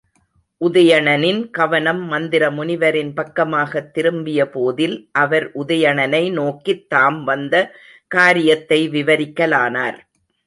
உதயணனின் கவனம் மந்தர முனிவரின் பக்கமாகத் திரும்பிய போதில், அவர் உதயணனை நோக்கித் தாம் வந்த காரியத்தை விவரிக்கலானார்.